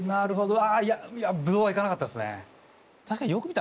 ああいやぶどうはいかなかったですね。